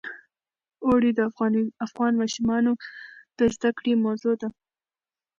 اوړي د افغان ماشومانو د زده کړې موضوع ده.